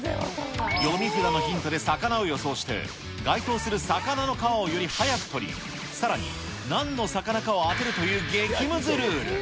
読み札のヒントで魚を予想して、該当する魚の皮をより早く取り、さらに、なんの魚かを当てるかという激むずルール。